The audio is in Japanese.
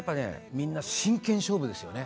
みんな真剣勝負ですよね